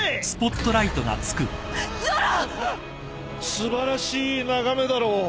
素晴らしい眺めだろう。